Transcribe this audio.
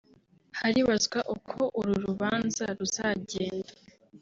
Haribazwa uko uru rubanza ruzajyenda